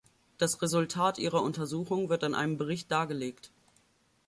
Das Resultat ihrer Untersuchung wird in einem Bericht dargelegt.